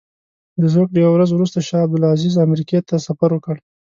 د زوکړې یوه ورځ وروسته شاه عبدالعزیز امریکې ته سفر وکړ.